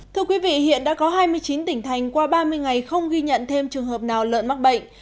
thưa quý vị hiện đã có hai mươi chín tỉnh thành qua ba mươi ngày không ghi nhận thêm trường hợp nào lợn mắc bệnh